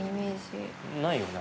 ないよね？